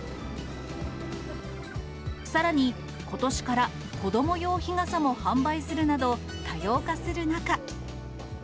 さらに、ことしから子ども用日傘も販売するなど、多様化する中。